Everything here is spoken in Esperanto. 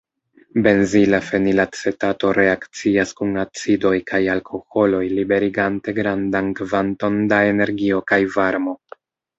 Benzila fenilacetato reakcias kun acidoj kaj alkoholoj liberigante grandan kvanton da energio kaj varmo.